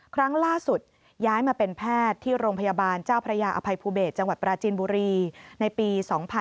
ครั้งล่าสุดย้ายมาเป็นแพทย์ที่โรงพยาบาลเจ้าพระยาอภัยภูเบศจังหวัดปราจีนบุรีในปี๒๕๕๙